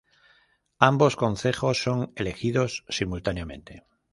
Ambos concejos son elegidos simultáneamente.